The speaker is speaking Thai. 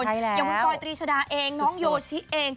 อย่างคุณพลอยตรีชดาเองน้องโยชิเอง